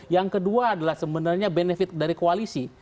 yang kedua adalah sebenarnya benefit dari koalisi